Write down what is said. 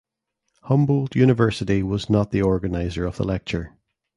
Humboldt University was not the organizer of the lecture.